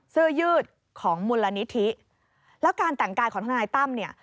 เสื้อยืดของมูลนิธิแล้วการแต่งกายของทนายตั้มเนี่ย